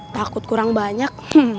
takut kurang banyak